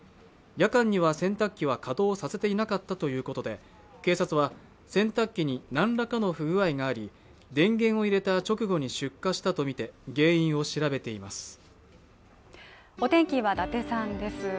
夜間には洗濯機は稼働させていなかったということで警察は洗濯機に何らかの不具合があり電源を入れた直後に出火したとみて原因を調べています